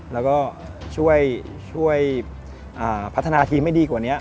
แล้วก็ช่วยพัฒนาทีมให้ดีกว่านี้